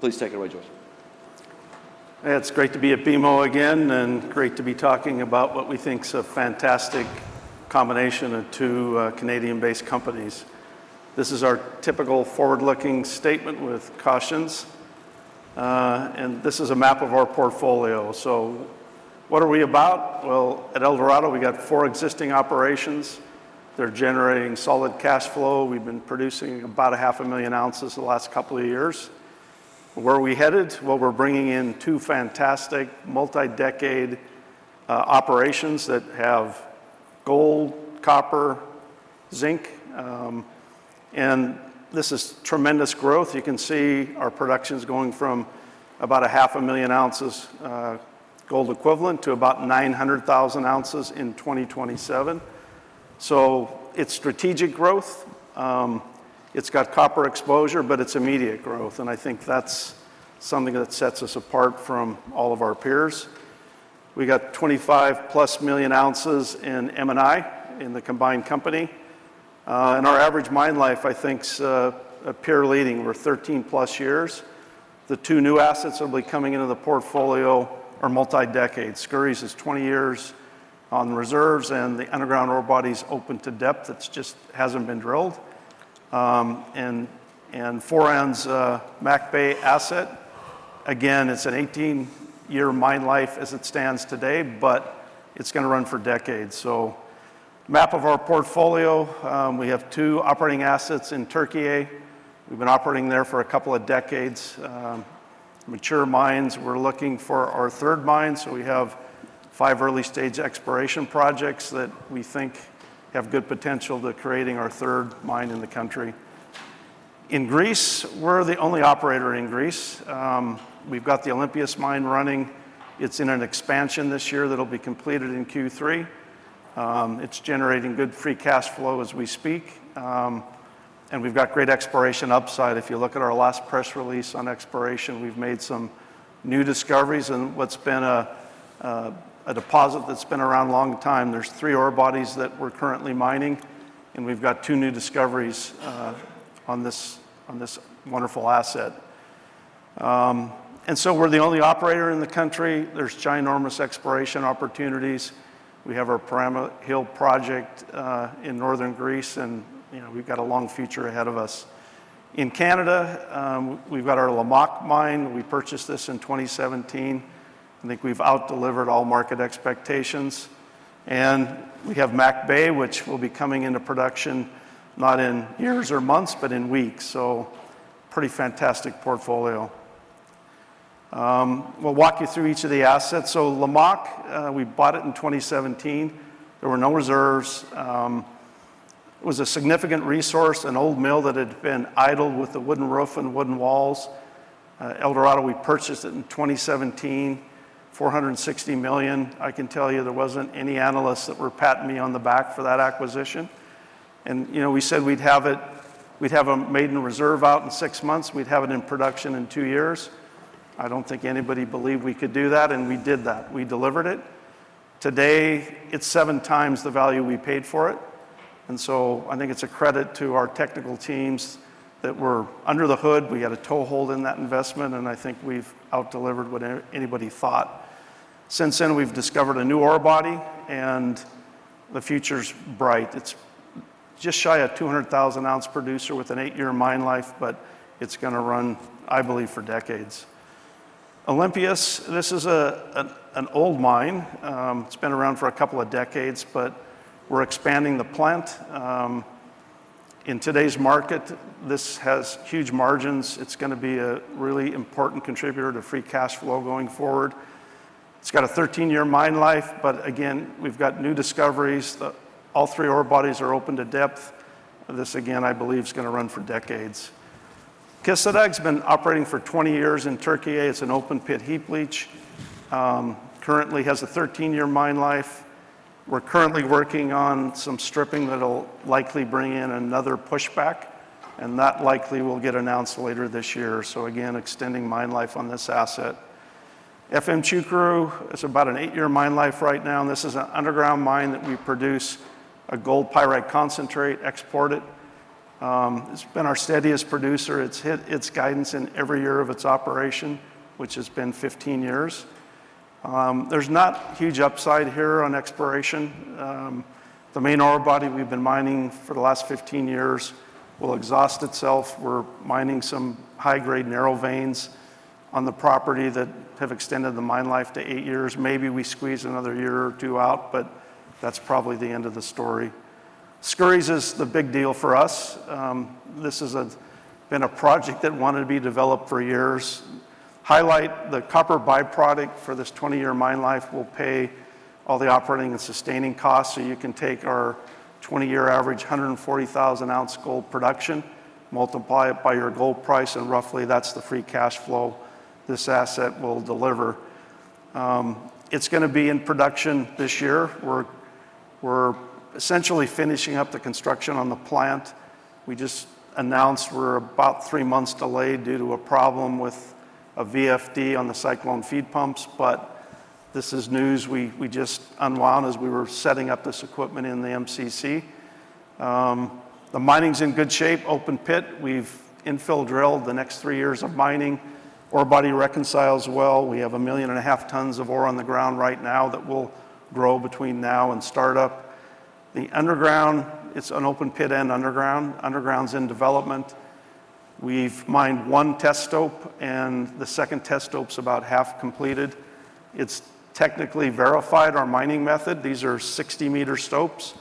Please take it away, George. It's great to be at BMO again, and great to be talking about what we think is a fantastic combination of two Canadian-based companies. This is our typical forward-looking statement with cautions, and this is a map of our portfolio. What are we about? Well, at Eldorado, we got four existing operations. They're generating solid cash flow. We've been producing about 500,000 oz the last couple of years. Where are we headed? Well, we're bringing in two fantastic, multi-decade operations that have gold, copper, zinc, and this is tremendous growth. You can see our production's going from about 500,000 oz gold equivalent to about 900,000 oz in 2027. It's strategic growth, it's got copper exposure, but it's immediate growth, and I think that's something that sets us apart from all of our peers. We got 25+ million ounces in M&I in the combined company. Our average mine life, I think, is peer-leading, we're 13+ years. The two new assets that'll be coming into the portfolio are multi-decade. Skouries is 20 years on reserves, the underground ore body's open to depth, it's just hasn't been drilled. Foran's Mc Bay asset, again, it's an 18-year mine life as it stands today, it's gonna run for decades. Map of our portfolio, we have two operating assets in Türkiye. We've been operating there for a couple of decades, mature mines. We're looking for our third mine, we have five early-stage exploration projects that we think have good potential to creating our third mine in the country. In Greece, we're the only operator in Greece. We've got the Olympias mine running. It's in an expansion this year that'll be completed in Q3. It's generating good free cash flow as we speak. We've got great exploration upside. If you look at our last press release on exploration, we've made some new discoveries in what's been a deposit that's been around a long time. There's three ore bodies that we're currently mining. We've got two new discoveries on this, on this wonderful asset. We're the only operator in the country. There's ginormous exploration opportunities. We have our Perama Hill project in northern Greece. You know, we've got a long future ahead of us. In Canada, we've got our Lamaque mine. We purchased this in 2017. I think we've out-delivered all market expectations. We have Mc Bay, which will be coming into production, not in years or months, but in weeks. Pretty fantastic portfolio. We'll walk you through each of the assets. Lamaque, we bought it in 2017. There were no reserves. It was a significant resource, an old mill that had been idled with a wooden roof and wooden walls. Eldorado, we purchased it in 2017, $460 million. I can tell you there wasn't any analysts that were patting me on the back for that acquisition. You know, we said we'd have it... We'd have a maiden reserve out in six months, we'd have it in production in two years. I don't think anybody believed we could do that, and we did that. We delivered it. Today, it's 7x the value we paid for it, and so I think it's a credit to our technical teams that were under the hood. We had a toehold in that investment, and I think we've out-delivered what anybody thought. Since then, we've discovered a new ore body, and the future's bright. It's just shy of 200,000 oz producer with an eight-year mine life, but it's gonna run, I believe, for decades. Olympias, this is an old mine. It's been around for a couple of decades, but we're expanding the plant. In today's market, this has huge margins. It's gonna be a really important contributor to free cash flow going forward. It's got a 13-year mine life, but again, we've got new discoveries. All three ore bodies are open to depth. This, again, I believe, is gonna run for decades. Kışladağ's been operating for 20 years in Türkiye. It's an open pit heap leach. Currently has a 13-year mine life. We're currently working on some stripping that'll likely bring in another pushback, that likely will get announced later this year. Again, extending mine life on this asset. Efemçukuru, it's about an eight-year mine life right now, this is an underground mine that we produce a gold pyrite concentrate, export it. It's been our steadiest producer. It's hit its guidance in every year of its operation, which has been 15 years. There's not huge upside here on exploration. The main ore body we've been mining for the last 15 years will exhaust itself. We're mining some high-grade, narrow veins on the property that have extended the mine life to eight years. Maybe we squeeze another year or two out. That's probably the end of the story. Skouries is the big deal for us. This is been a project that wanted to be developed for years. Highlight, the copper byproduct for this 20-year mine life will pay all the operating and sustaining costs. You can take our 20-year average, 140,000 oz gold production, multiply it by your gold price, and roughly that's the free cash flow this asset will deliver. It's gonna be in production this year. We're essentially finishing up the construction on the plant. We just announced we're about three months delayed due to a problem with a VFD on the cyclone feed pumps. This is news we just unwound as we were setting up this equipment in the MCC. The mining's in good shape, open pit. We've infill drilled the next three years of mining. Ore body reconciles well. We have 1,500,000 tons of ore on the ground right now that will grow between now and startup. The underground, it's an open pit and underground. Underground's in development. We've mined one test stope, and the second test stope's about half completed. It's technically verified our mining method. These are 60 m stopes.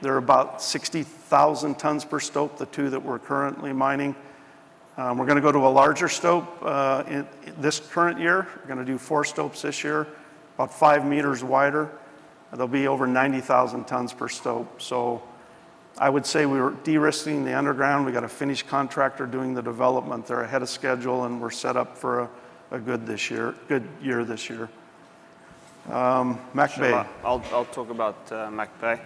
They're about 60,000 tons per stope, the two that we're currently mining. We're gonna go to a larger stope this current year. We're gonna do four stopes this year, about 5 m wider. They'll be over 90,000 tons per stope. I would say we're de-risking the underground. We got a finish contractor doing the development. They're ahead of schedule, and we're set up for a good year this year. McIlvenna Bay. Sure. I'll, I'll talk about Mc Bay.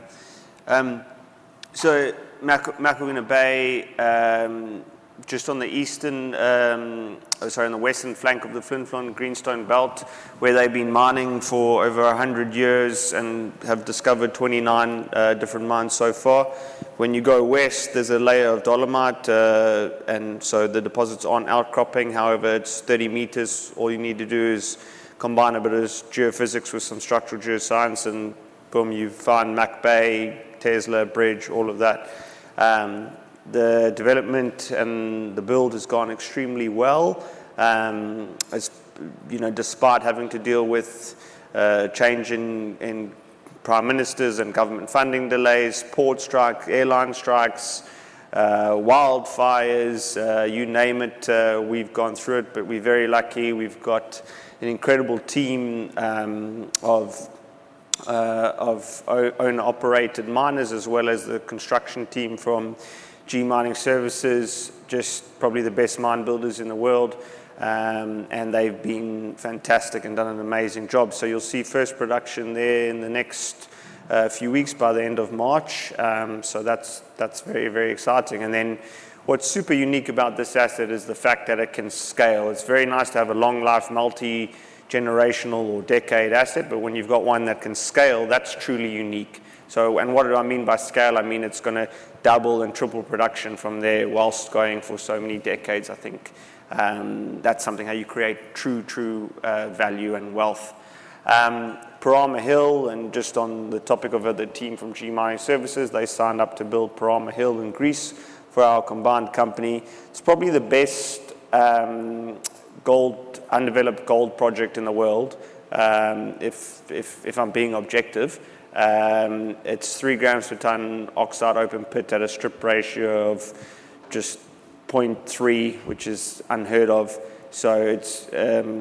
So McIlvenna Bay. Sorry, on the western flank of the Flin Flon Greenstone Belt, where they've been mining for over 100 years and have discovered 29 different mines so far. When you go west, there's a layer of dolomite, and so the deposits aren't outcropping. However, it's 30 m. All you need to do is combine a bit of geophysics with some structural geoscience, and boom, you've found Mc Bay, Tesla, Bridge, all of that. The development and the build has gone extremely well, as, you know, despite having to deal with change in, in prime ministers and government funding delays, port strike, airline strikes, wildfires, you name it, we've gone through it, but we're very lucky. We've got an incredible team of own-operated miners, as well as the construction team from G Mining Services, just probably the best mine builders in the world. They've been fantastic and done an amazing job. You'll see first production there in the next few weeks by the end of March. That's, that's very, very exciting. What's super unique about this asset is the fact that it can scale. It's very nice to have a long-life, multi-generational or decade asset, but when you've got one that can scale, that's truly unique. What do I mean by scale? I mean, it's gonna double and triple production from there, whilst going for so many decades, I think. That's something how you create true, true value and wealth. Perama Hill, just on the topic of the team from G Mining Services, they signed up to build Perama Hill in Greece for our combined company. It's probably the best, gold, undeveloped gold project in the world, if, if, if I'm being objective. It's 3 g per ton oxide open pit at a strip ratio of just 0.3, which is unheard of, so it's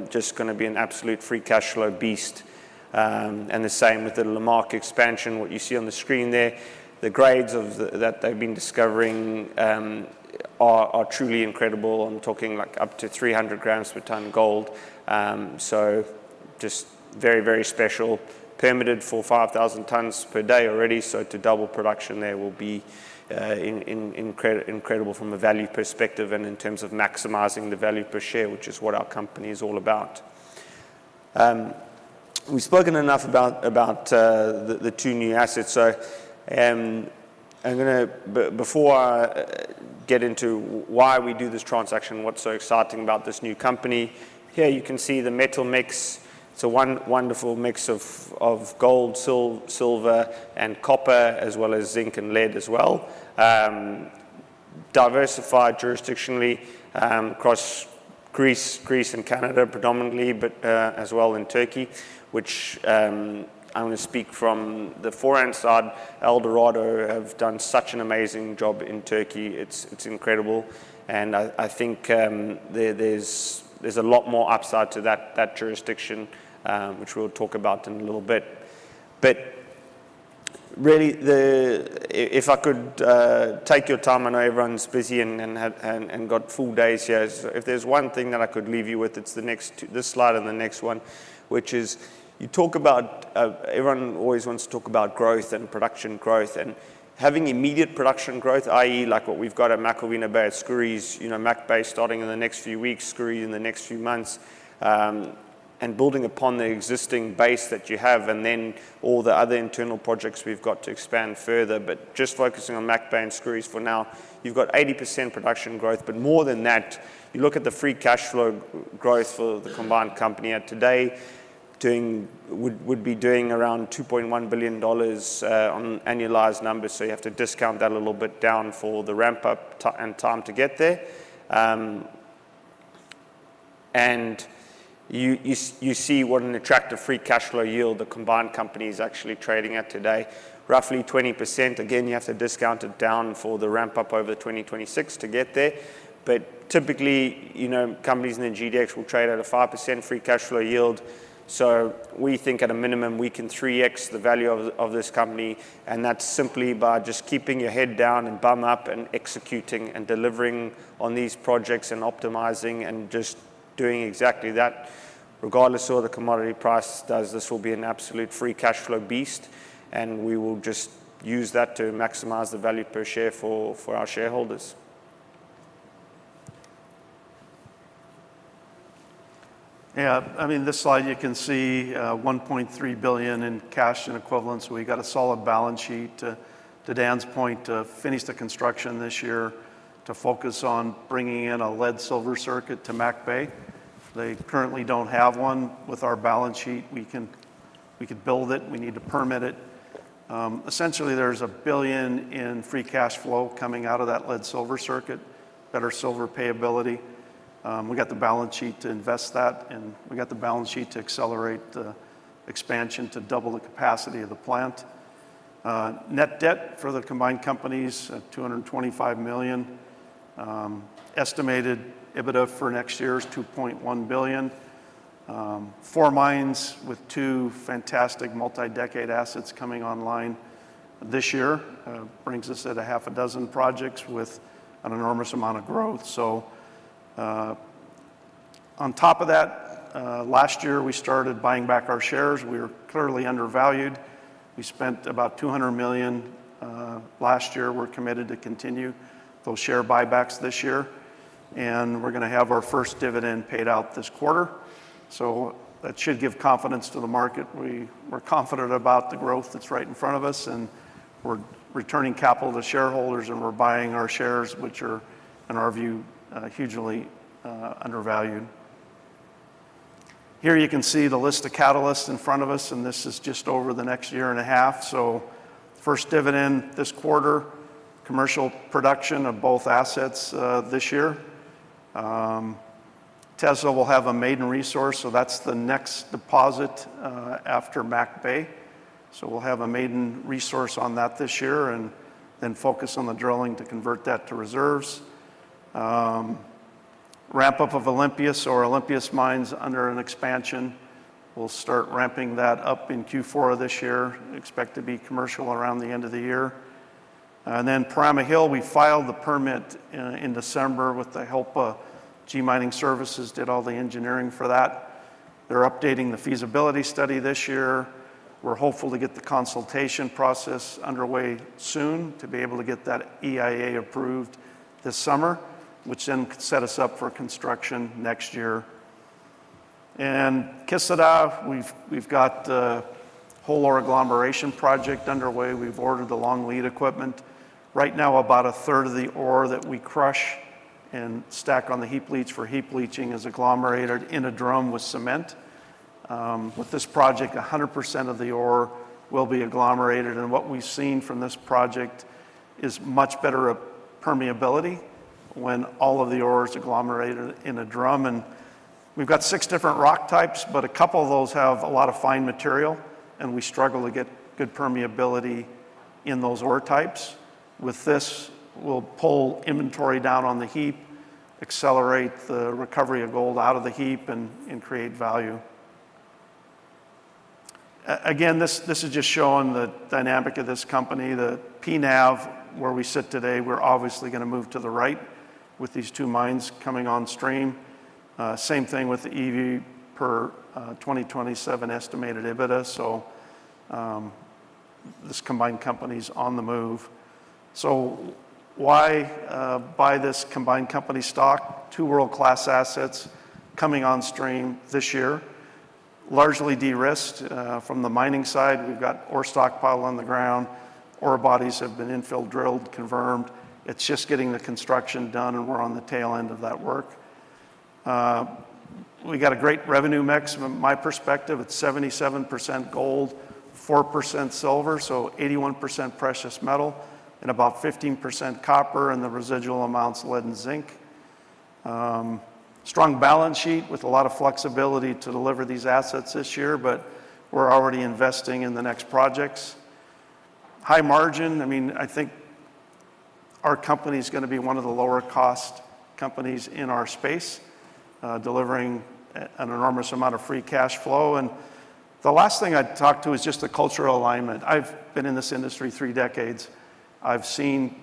just gonna be an absolute free cash flow beast. The same with the Lamaque expansion. What you see on the screen there, the grades that they've been discovering are truly incredible. I'm talking, like, up to 300 grams per ton gold. Just very, very special. Permitted for 5,000 tons per day already, to double production there will be incredible from a value perspective and in terms of maximizing the value per share, which is what our company is all about. We've spoken enough about, about the two new assets. I'm gonna before I get into why we do this transaction, what's so exciting about this new company, here you can see the metal mix. It's a wonderful mix of gold, silver, and copper, as well as zinc and lead as well. Diversified jurisdictionally, across Greece, Greece and Canada, predominantly, as well in Turkey, which, I'm gonna speak from the Foran side. Eldorado have done such an amazing job in Turkey. It's, it's incredible, and I, I think, there's a lot more upside to that jurisdiction, which we'll talk about in a little bit. Really, if I could take your time, I know everyone's busy and got full days here. If there's one thing that I could leave you with, it's the next two, this slide and the next one, which is, you talk about, everyone always wants to talk about growth and production growth and having immediate production growth, i.e., like what we've got at McIlvenna Bay, Skouries, you know, Mc Bay starting in the next few weeks, Skouries in the next few months, and building upon the existing base that you have, and then all the other internal projects we've got to expand further. Just focusing on Mc Bay and Skouries for now, you've got 80% production growth, but more than that, you look at the free cash flow growth for the combined company, and today, we would be doing around $2.1 billion on annualized numbers, so you have to discount that a little bit down for the ramp-up and time to get there. You see what an attractive free cash flow yield the combined company is actually trading at today, roughly 20%. Again, you have to discount it down for the ramp-up over 2026 to get there. Typically, you know, companies in the GDX will trade at a 5% free cash flow yield. We think at a minimum, we can 3x the value of this company, and that's simply by just keeping your head down and bum up and executing and delivering on these projects and optimizing and just doing exactly that. Regardless of what the commodity price does, this will be an absolute free cash flow beast, and we will just use that to maximize the value per share for our shareholders. Yeah, I mean, this slide, you can see $1.3 billion in cash and equivalents. We got a solid balance sheet, to, to Dan's point, to finish the construction this year, to focus on bringing in a lead-silver circuit to Mc Bay. They currently don't have one. With our balance sheet, we can, we could build it. We need to permit it. Essentially, there's $1 billion in free cash flow coming out of that lead-silver circuit, better silver pay ability. We got the balance sheet to invest that, we got the balance sheet to accelerate the expansion to double the capacity of the plant. Net debt for the combined companies, $225 million. Estimated EBITDA for next year is $2.1 billion. Four mines with two fantastic multi-decade assets coming online this year, brings us at half a dozen projects with an enormous amount of growth. On top of that, last year, we started buying back our shares. We were clearly undervalued. We spent about $200 million last year. We're committed to continue those share buybacks this year, and we're gonna have our 1st dividend paid out this quarter, so that should give confidence to the market. We're confident about the growth that's right in front of us, and we're returning capital to shareholders, and we're buying our shares, which are, in our view, hugely undervalued. Here you can see the list of catalysts in front of us, and this is just over the next 1.5 years. First dividend this quarter, commercial production of both assets this year. Tesla will have a maiden resource, so that's the next deposit after Mc Bay. We'll have a maiden resource on that this year and then focus on the drilling to convert that to reserves. Ramp-up of Olympias, our Olympias Mine's under an expansion. We'll start ramping that up in Q4 this year, expect to be commercial around the end of the year. Perama Hill, we filed the permit in December with the help of G Mining Services, did all the engineering for that. They're updating the feasibility study this year. We're hopeful to get the consultation process underway soon to be able to get that EIA approved this summer, which then could set us up for construction next year. Kışladağ, we've got the whole ore agglomeration project underway. We've ordered the long lead equipment. Right now, about a third of the ore that we crush and stack on the heap leaches for heap leaching is agglomerated in a drum with cement. With this project, 100% of the ore will be agglomerated, and what we've seen from this project is much better permeability when all of the ore is agglomerated in a drum. We've got six different rock types, but a couple of those have a lot of fine material, and we struggle to get good permeability in those ore types. With this, we'll pull inventory down on the heap, accelerate the recovery of gold out of the heap, and create value. Again, this is just showing the dynamic of this company, the P/NAV, where we sit today. We're obviously gonna move to the right with these two mines coming on stream. Same thing with the EV per, 2027 estimated EBITDA. This combined company's on the move. Why buy this combined company stock? Two world-class assets coming on stream this year, largely de-risked from the mining side. We've got ore stockpile on the ground. Ore bodies have been infill drilled, confirmed. It's just getting the construction done, and we're on the tail end of that work. We got a great revenue mix. From my perspective, it's 77% gold, 4% silver, so 81% precious metal, and about 15% copper, and the residual amounts, lead and zinc. Strong balance sheet with a lot of flexibility to deliver these assets this year. We're already investing in the next projects. High margin, I mean, I think our company's gonna be one of the lower-cost companies in our space, delivering an enormous amount of free cash flow. The last thing I'd talk to is just the cultural alignment. I've been in this industry three decades. I've seen,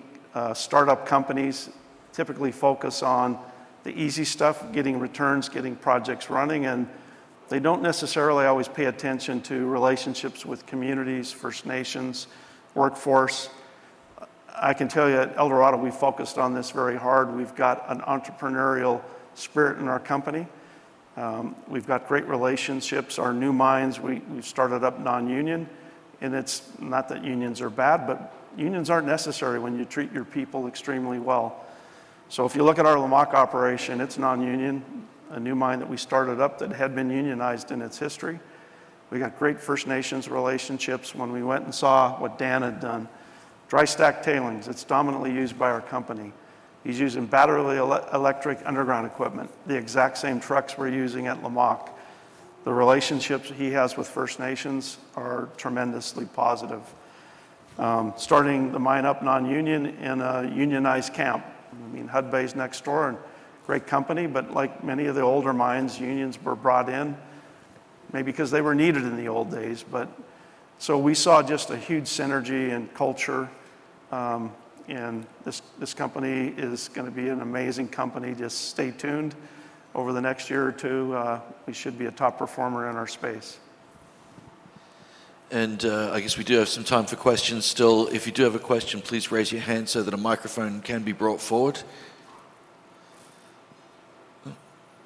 startup companies typically focus on the easy stuff, getting returns, getting projects running, and they don't necessarily always pay attention to relationships with communities, First Nations, workforce. I can tell you at Eldorado, we focused on this very hard. We've got an entrepreneurial spirit in our company. We've got great relationships. Our new mines, we've started up non-union, and it's not that unions are bad, but unions aren't necessary when you treat your people extremely well. If you look at our Lamaque operation, it's non-union, a new mine that we started up that had been unionized in its history. We got great First Nations relationships when we went and saw what Dan had done. Dry stack tailings, it's dominantly used by our company. He's using battery electric underground equipment, the exact same trucks we're using at Lamaque. The relationships he has with First Nations are tremendously positive. Starting the mine up non-union in a unionized camp, I mean, Hudbay's next door and great company, but like many of the older mines, unions were brought in, maybe because they were needed in the old days, but. We saw just a huge synergy and culture, and this, this company is gonna be an amazing company. Just stay tuned. Over the next year or two, we should be a top performer in our space. And I guess we do have some time for questions still. If you do have a question, please raise your hand so that a microphone can be brought forward. Oh,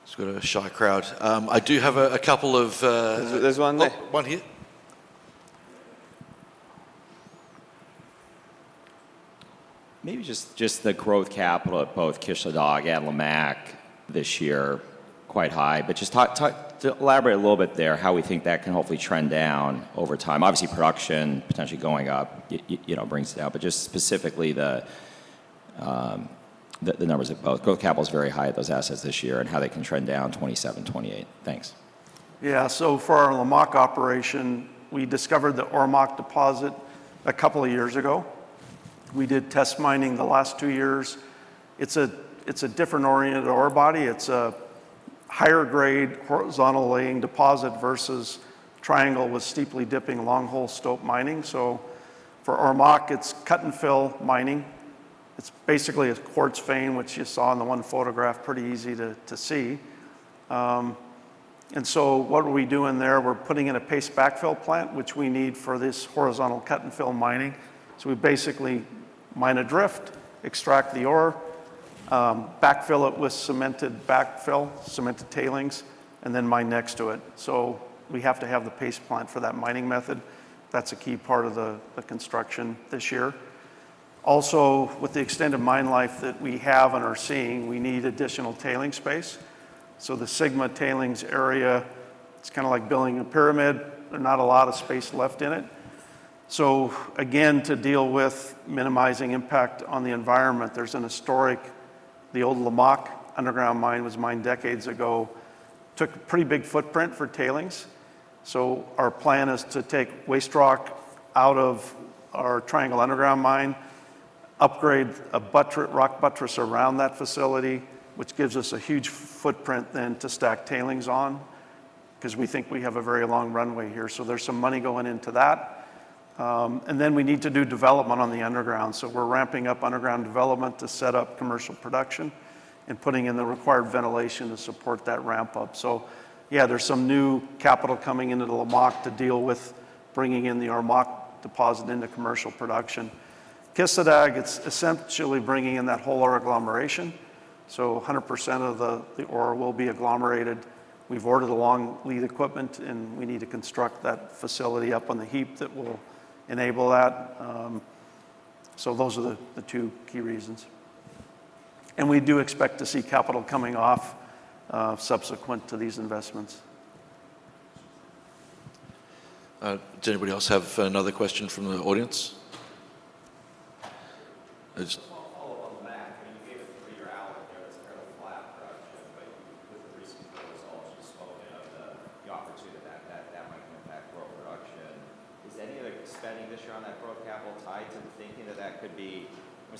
just got a shy crowd. I do have a, a couple of- There's one there. Oh, one here. Maybe just, just the growth capital at both Kışladağ and Lamaque this year, quite high, but just talk, talk. Elaborate a little bit there, how we think that can hopefully trend down over time. Obviously, production potentially going up, you know, brings it down, but just specifically the numbers of both. Growth capital is very high at those assets this year, and how they can trend down 2027, 2028. Thanks. Yeah, for our Lamaque operation, we discovered the Ormaque deposit a couple of years ago. We did test mining the last two years. It's a different oriented ore body. It's a higher grade, horizontal laying deposit versus Triangle with steeply dipping, long hole stope mining. For Ormaque, it's cut and fill mining. It's basically a quartz vein, which you saw in the one photograph, pretty easy to see. What are we doing there? We're putting in a paste backfill plant, which we need for this horizontal cut and fill mining. We basically mine a drift, extract the ore, backfill it with cemented backfill, cemented tailings, and then mine next to it. We have to have the paste plant for that mining method. That's a key part of the construction this year. With the extent of mine life that we have and are seeing, we need additional tailings space. The Sigma tailings area, it's kinda like building a pyramid, there's not a lot of space left in it. Again, to deal with minimizing impact on the environment, there's an historic. The old Lamaque underground mine was mined decades ago, took a pretty big footprint for tailings. Our plan is to take waste rock out of our Triangle underground mine, upgrade a buttress, rock buttress around that facility, which gives us a huge footprint then to stack tailings on, 'cause we think we have a very long runway here. There's some money going into that. Then we need to do development on the underground, so we're ramping up underground development to set up commercial production and putting in the required ventilation to support that ramp up. Yeah, there's some new capital coming into the Lamaque to deal with bringing in the Ormaque deposit into commercial production. Kışladağ, it's essentially bringing in that whole ore agglomeration, so 100% of the, the ore will be agglomerated. We've ordered the long lead equipment, and we need to construct that facility up on the heap that will enable that. Those are the, the two key reasons. We do expect to see capital coming off subsequent to these investments. Does anybody else have another question from the audience?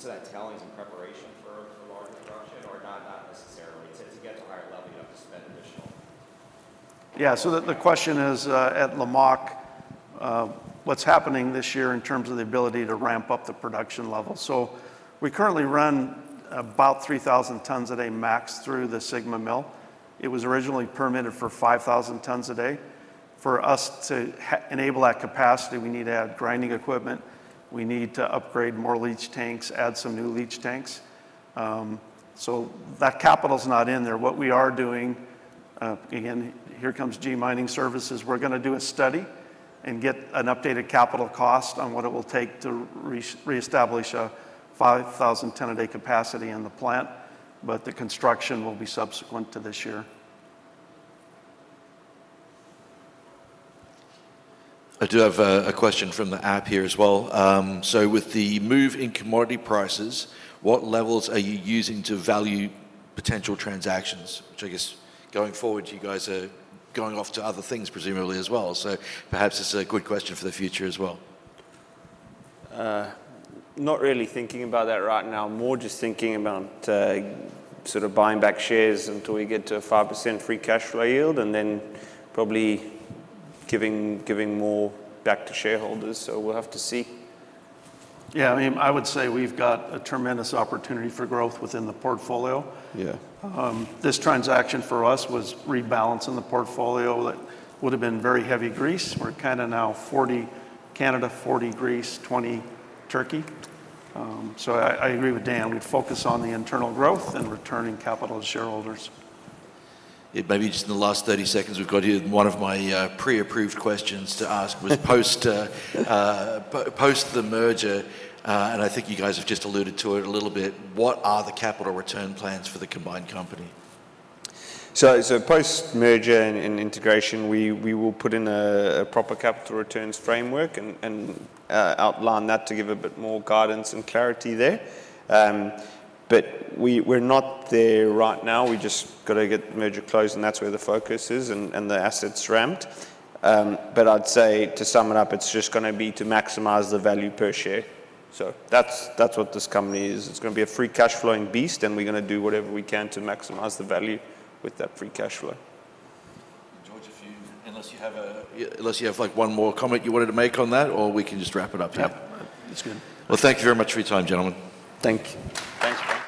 Well, follow up on that. I mean, you gave a three-year outlook there as part of flat production, but with the recent good results, you spoke of the, the opportunity that, that, that might impact growth production. Is any of the spending this year on that growth capital tied to the thinking that that could be, most of that tailings in preparation for, for larger production or not, not necessarily? To, to get to a higher level, you have to spend additional. Yeah, the question is, at Lamaque, what's happening this year in terms of the ability to ramp up the production level? We currently run about 3,000 tons a day max through the Sigma Mill. It was originally permitted for 5,000 tons a day. For us to enable that capacity, we need to add grinding equipment, we need to upgrade more leach tanks, add some new leach tanks. That capital's not in there. What we are doing, again, here comes G Mining Services, we're gonna do a study and get an updated capital cost on what it will take to re-establish a 5,000 ton a day capacity in the plant, the construction will be subsequent to this year. I do have a, a question from the app here as well. "With the move in commodity prices, what levels are you using to value potential transactions?" Which I guess, going forward, you guys are going off to other things, presumably as well, so perhaps this is a good question for the future as well. Not really thinking about that right now. More just thinking about, sort of buying back shares until we get to a 5% free cash flow yield. Then probably giving, giving more back to shareholders. We'll have to see. Yeah, I mean, I would say we've got a tremendous opportunity for growth within the portfolio. Yeah. This transaction for us was rebalancing the portfolio that would've been very heavy Greece, we're kinda now 40 Canada, 40 Greece, 20 Turkey. I, I agree with Dan. We'd focus on the internal growth and returning capital to shareholders. It may be just in the last 30 seconds we've got here, one of my pre-approved questions to ask. Was post the merger, and I think you guys have just alluded to it a little bit, what are the capital return plans for the combined company? Post-merger and integration, we will put in a proper capital returns framework and outline that to give a bit more guidance and clarity there. We're not there right now. We just gotta get the merger closed, and that's where the focus is, and the assets ramped. I'd say, to sum it up, it's just gonna be to maximize the value per share. That's what this company is. It's gonna be a free cash flowing beast, and we're gonna do whatever we can to maximize the value with that free cash flow. George, if you... Unless you have a, unless you have, like, one more comment you wanted to make on that, or we can just wrap it up. Yeah. It's good. Well, thank you very much for your time, gentlemen. Thank you. Thanks.